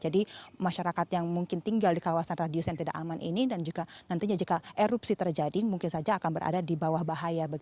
jadi masyarakat yang mungkin tinggal di kawasan radius yang tidak aman ini dan juga nantinya jika erupsi terjadi mungkin saja akan berada di bawah bahaya